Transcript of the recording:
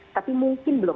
tapi mungkin belum